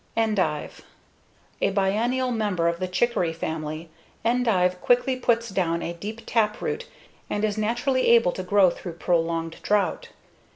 Endive A biennial member of the chicory family, endive quickly puts down a deep taproot and is naturally able to grow through prolonged drought.